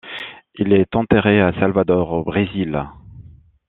Il est enterré à Salvador, au Brésil.